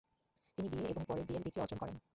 তিনি B. A. এবং পরে বি. এল. ডিগ্রী অর্জন করেন।